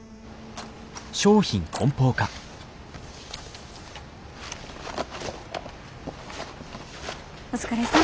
ああお疲れさん。